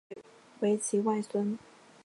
许育瑞为其外孙。